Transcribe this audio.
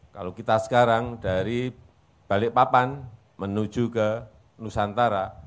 kalau kita sekarang dari balikpapan menuju ke nusantara